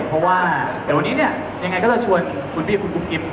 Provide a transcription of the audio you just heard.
เพราะว่าแต่วันนี้เนี่ยยังไงก็จะชวนคุณพี่คุณกุ๊กกิ๊บ